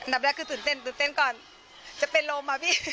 แรกคือตื่นเต้นตื่นเต้นก่อนจะเป็นลมอ่ะพี่